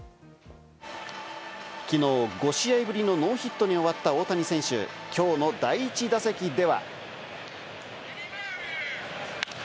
きのう５試合ぶりのノーヒットに終わった大谷選手、きょうの第１打席では。